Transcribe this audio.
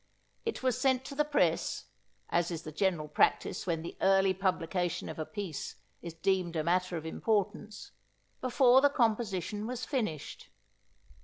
It was sent to the press, as is the general practice when the early publication of a piece is deemed a matter of importance, before the composition was finished.